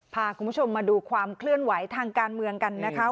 พาคุณผู้ชมมาดูความเคลื่อนไหวทางการเมืองกันนะคะ